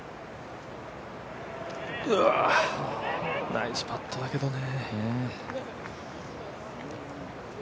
ナイスパットだけどね。